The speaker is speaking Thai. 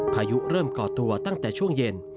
พายุเริ่มก่อตัวตั้งแต่ช่วงเย็น